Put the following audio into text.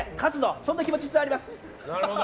そんな気持ちが伝わります。